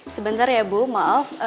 sebentar ya bu maaf